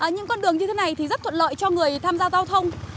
những con đường như thế này thì rất thuận lợi cho người tham gia giao thông